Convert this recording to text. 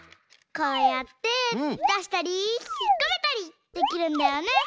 こうやってだしたりひっこめたりできるんだよね。